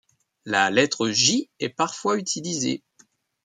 La lettre Ј est parfois utilisée.